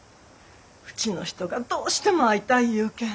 ウチの人がどうしても会いたい言うけん。